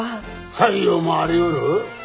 採用もありうる？